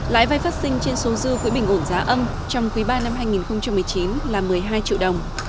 lãi vay phát sinh trên số dư quỹ bình ổn giá âm trong quỹ ba năm hai nghìn một mươi chín là một mươi hai triệu đồng